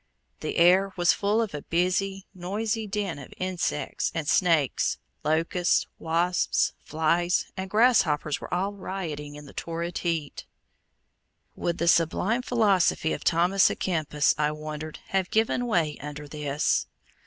The air was full of a busy, noisy din of insects, and snakes, locusts, wasps, flies, and grasshoppers were all rioting in the torrid heat. Would the sublime philosophy of Thomas a Kempis, I wondered, have given way under this?